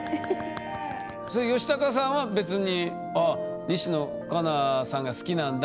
ヨシタカさんは別にあ西野カナさんが好きなんだってふうに思ってた？